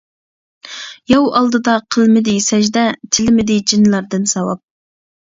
ياۋ ئالدىدا قىلمىدى سەجدە، تىلىمىدى جىنلاردىن ساۋاب.